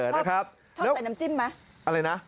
ชอบใส่น้ำจิ้มไหมอะไรนะ